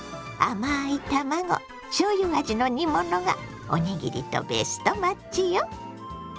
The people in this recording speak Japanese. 甘い卵しょうゆ味の煮物がおにぎりとベストマッチよ！